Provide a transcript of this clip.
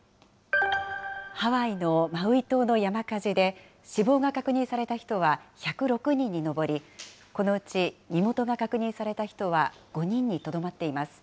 ハワイのマウイ島の山火事で、死亡が確認された人は１０６人に上り、このうち身元が確認された人は５人にとどまっています。